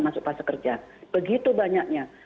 masuk ke pasir kerja begitu banyaknya